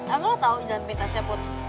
apa lo tau jalan pintasnya put